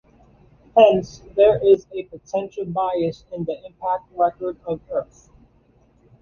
Hence there is a potential bias in the impact record of Earth.